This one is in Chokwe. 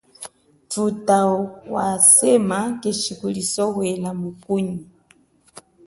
Thutha wasema keshi kuli sohwela mukunyi.